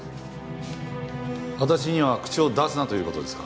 私には口を出すなということですか？